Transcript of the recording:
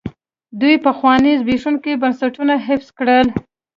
دوی پخواني زبېښونکي بنسټونه حفظ کړل.